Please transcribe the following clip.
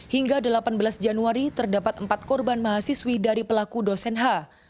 hingga delapan belas januari terdapat empat korban mahasiswi dari pelaku dosen h